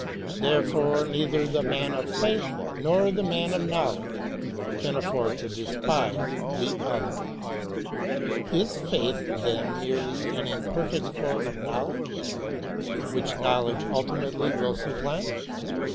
Therefore neither the man of faith nor the man of knowl edge can afford to despise the other. Is faith, then, merely an imperfect form of knowledge, which knowledge ultimately will supplant.